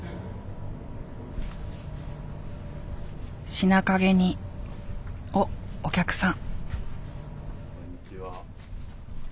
品陰におっお客さん。